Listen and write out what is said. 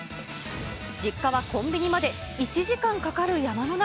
実家はコンビニまで１時間かかる山の中。